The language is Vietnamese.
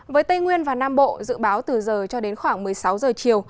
với tây nguyên và nam bộ dự báo từ giờ cho đến khoảng một mươi sáu giờ chiều